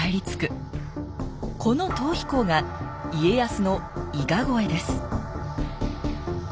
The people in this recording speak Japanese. この逃避行が家康の伊賀越えです